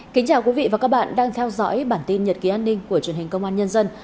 chào mừng quý vị đến với bản tin nhật ký an ninh của truyền hình công an nhân dân